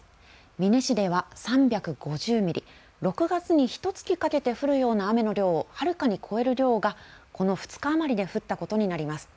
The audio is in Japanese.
美祢市では３５０ミリ６月にひとつきかけて降るような雨の量をはるかに超える量がこの２日余りで降ったことになります。